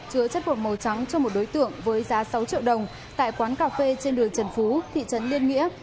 chứa chất bột màu trắng cho một đối tượng với giá sáu triệu đồng tại quán cà phê trên đường trần phú thị trấn liên nghĩa